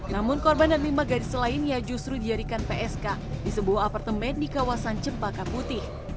namun korban dan lima gadis lainnya justru dijadikan psk di sebuah apartemen di kawasan cempaka putih